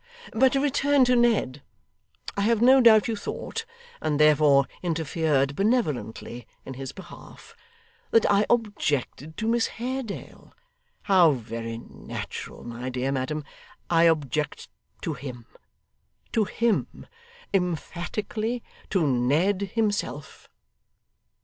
But to return to Ned; I have no doubt you thought, and therefore interfered benevolently in his behalf, that I objected to Miss Haredale. How very natural! My dear madam, I object to him to him emphatically to Ned himself.